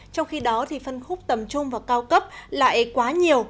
trong khi đó thì phân khúc tầm trung và cao cấp lại quá nhiều